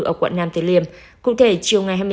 ở quận nam tử liêm cụ thể chiều ngày